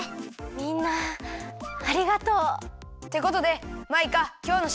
みんなありがとう。ってことでマイカきょうのしょくざいをおねがい。